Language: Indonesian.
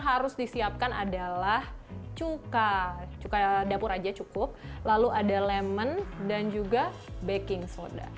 yang harus disiapkan adalah cuka cukai dapur aja cukup lalu ada lemon dan juga baking soda